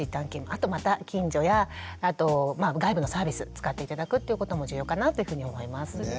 あとまた近所やあと外部のサービス使って頂くということも重要かなというふうに思います。